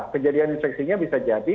kejadian infeksinya bisa jadi